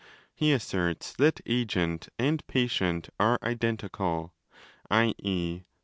He asserts that agent and patient are identical, i.e.